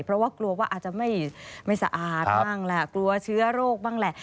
เพราะว่ากลัวว่าอาจจะไม่สะอาดบ้างแหละกลัวเชื้อโรคบ้างแหละ